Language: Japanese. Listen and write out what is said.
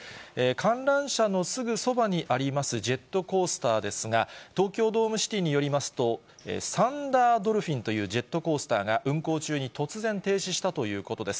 観覧車のすぐそばにありますジェットコースターですが、東京ドームシティによりますと、サンダードルフィンというジェットコースターが、運行中に突然、停止したということです。